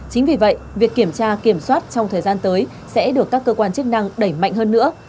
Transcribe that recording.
chính vì vậy việc kiểm tra kiểm soát trong thời gian tới sẽ được các cơ quan chức năng đẩy mạnh hơn nữa